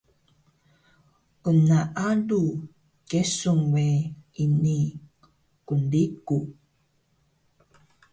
Gnaalu kesun we ini qnriqu